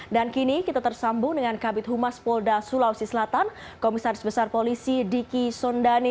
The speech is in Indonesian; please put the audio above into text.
dan kini kita tersambung dengan kabit humas polda sulawesi selatan komisaris besar polisi diki sondani